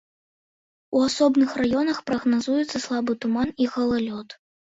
У асобных раёнах прагназуецца слабы туман і галалёд.